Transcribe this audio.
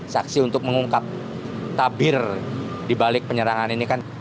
saksi untuk mengungkap tabir di balik penyerangan ini kan